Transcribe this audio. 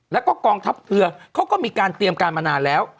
แล้วก็กองทัพเรือเขาก็มีการเตรียมการมานานแล้ว